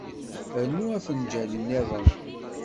Rnu afenǧal niḍen.